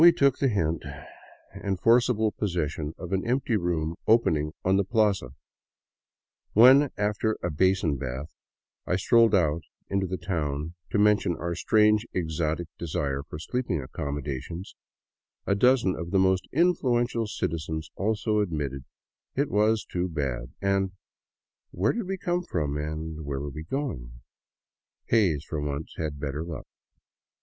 We took the hint and forcible possession of an empty room opening on the plaza. When, after a basin bath, I strolled out into the town to mention our strange exotic desire for sleeping accommodations, a dozen of the most influential citizens also admitted it was too bad and — and where did we come from and where were we going ? Hays for once had better luck.